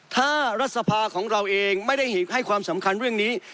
ถ้ารัฐสภาของเราเองไม่ได้ให้ความสำคัญเรื่องนี้